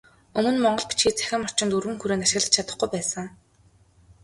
Өмнө монгол бичгийг цахим орчинд өргөн хүрээнд ашиглаж чадахгүй байсан.